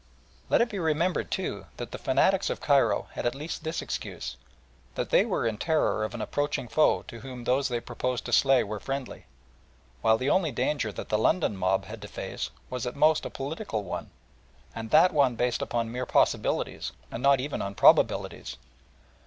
Let it be remembered, too, that the fanatics of Cairo had at least this excuse, that they were in terror of an approaching foe to whom those they proposed to slay were friendly, while the only danger that the London mob had to face was at most a political one, and that one based upon mere possibilities, and not even on probabilities.